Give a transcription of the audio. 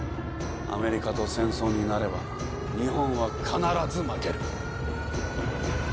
アメリカと戦争になれば日本は必ず負ける。